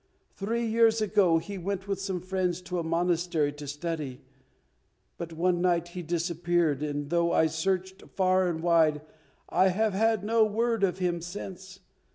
Three years ago he went with some friends to a monastery to study, but one night he disappeared, and though I searched far and wide I have had no word of him since.